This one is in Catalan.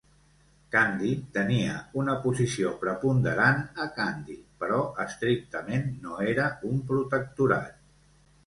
Kandy tenia una posició preponderant a Kandy però estrictament no era un protectorat.